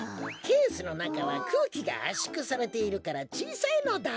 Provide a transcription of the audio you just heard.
ケースのなかはくうきがあっしゅくされているからちいさいのだ！